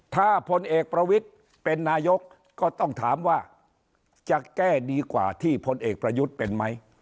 ถ้าพลเอกประวิทย์เป็นนายกก็ต้องถามว่าจะแก้ดีกว่าที่พลเอกประยุทธ์เป็นไหม